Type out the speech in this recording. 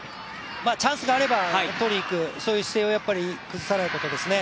チャンスがあれば取りに行く、そういう姿勢を崩さないことですね。